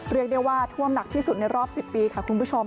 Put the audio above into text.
เรียกได้ว่าท่วมหนักที่สุดในรอบ๑๐ปีค่ะคุณผู้ชม